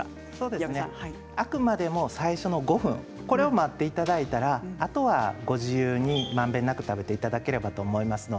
あくまでも最初の５分これを待っていただいたらあとはご自由にまんべんなく食べていただいてもいいと思います。